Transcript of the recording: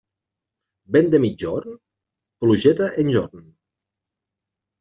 Vent de migjorn?, plugeta enjorn.